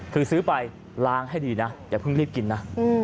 คือซื้อไปล้างให้ดีนะอย่าเพิ่งรีบกินนะ